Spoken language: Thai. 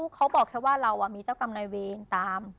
เขาบอกแค่ว่าเรามีเจ้ากรรมนายเวรตาม